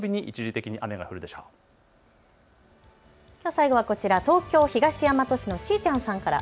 最後はこちら、東京東大和市のちーちゃんさんから。